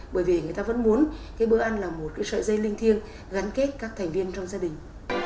bởi vì người ta vẫn muốn cái bữa ăn là một cái sợi dây linh thiêng gắn kết các thành viên trong gia đình